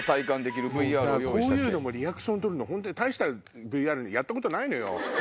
こういうのもリアクション取るの大したＶＲやったことないのよ。